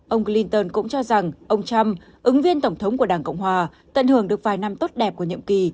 ông clinton cũng cho rằng ông trump ứng viên tổng thống của đảng cộng hòa tận hưởng được vài năm tốt đẹp của nhiệm kỳ